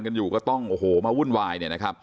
กันอยู่ก็ต้องโอ้โหมาวุ่นวาย